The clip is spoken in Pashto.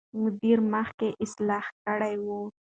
مدیر مخکې اصلاح کړې وه.